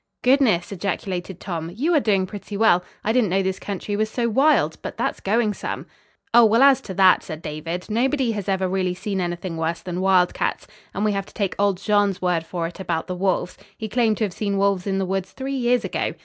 "Goodness!" ejaculated Tom. "You are doing pretty well. I didn't know this country was so wild. But that's going some." "Oh, well, as to that," said David, "nobody has ever really seen anything worse than wildcats, and we have to take old Jean's word for it about the wolves. He claimed to have seen wolves in these woods three years ago.